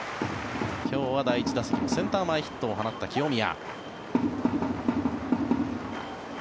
今日は第１打席でセンター前ヒットを放った清宮。